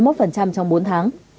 hai bảy mươi một trong bốn tháng